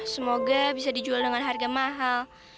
semoga bisa dijual dengan harga mahal